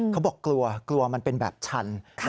เขาบอกกลัวกลัวมันเป็นแบบชัน